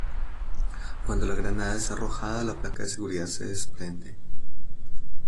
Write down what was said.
Cuando la granada es arrojada, la palanca de seguridad se desprende.